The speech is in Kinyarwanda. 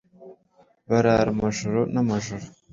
barara amajoro n’amajoro